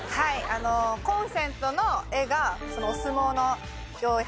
あのコンセントの絵がお相撲の用意